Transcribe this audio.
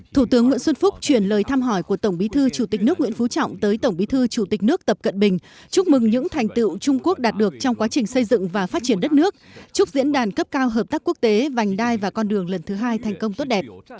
thủ tướng nguyễn xuân phúc chuyển lời thăm hỏi của tổng bí thư chủ tịch nước nguyễn phú trọng tới tổng bí thư chủ tịch nước tập cận bình chúc mừng những thành tựu trung quốc đạt được trong quá trình xây dựng và phát triển đất nước chúc diễn đàn cấp cao hợp tác quốc tế vành đai và con đường lần thứ hai thành công tốt đẹp